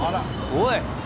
おい！